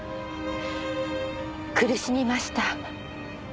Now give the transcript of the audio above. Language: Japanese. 苦しみました。